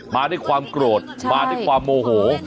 มาด้วยความโกรธมาด้วยความโมโห